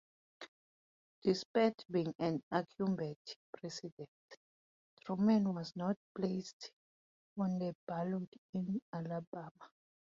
Despite being an incumbent President, Truman was not placed on the ballot in Alabama.